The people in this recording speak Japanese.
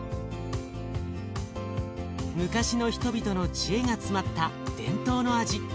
昔の人々の知恵が詰まった伝統の味。